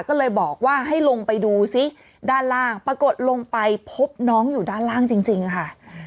ก็เลยบอกว่าให้ลงไปดูซิด้านล่างปรากฏลงไปพบน้องอยู่ด้านล่างจริงค่ะ